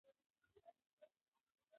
ده د عقل او اخلاقو توازن ساته.